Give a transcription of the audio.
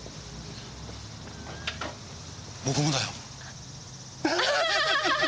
僕もだよ。